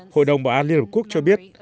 hội đồng bảo an liên hợp quốc cho biết